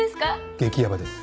激ヤバです。